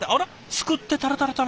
すくってタラタラタラ。